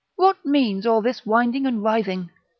what means all this winding and writhing?